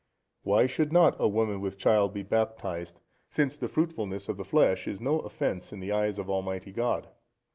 Why should not a woman with child be baptized, since the fruitfulness of the flesh is no offence in the eyes of Almighty God?